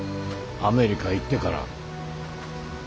アメリカ行ってから。